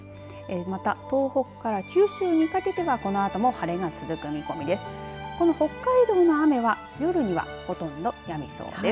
また東北から九州にかけてはこのあとも晴れ間が続く見込みです。